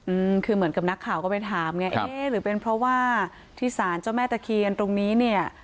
อืมคือเหมือนกับนักข่าวก็ไปถามไงเอ๊ะหรือเป็นเพราะว่าที่สารเจ้าแม่ตะเคียนตรงนี้เนี่ย